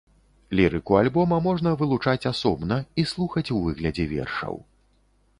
Лірыку альбома можна вылучаць асобна і слухаць у выглядзе вершаў.